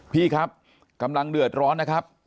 พี่ครับกำลังเดือดร้อนนะครับ